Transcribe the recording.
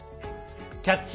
「キャッチ！